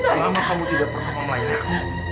selama kamu tidak pernah melayani aku